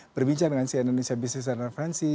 berbincang dengan si indonesia business intervensi